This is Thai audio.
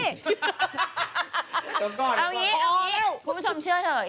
เอาอย่างนี้คุณผู้ชมเชื่อเถอะ